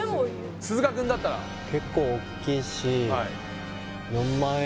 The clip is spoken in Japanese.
鈴鹿くんだったら結構おっきいし４万？